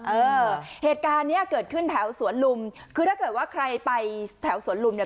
เออเหตุการณ์เนี้ยเกิดขึ้นแถวสวนลุมคือถ้าเกิดว่าใครไปแถวสวนลุมเนี่ย